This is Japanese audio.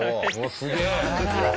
すげえ！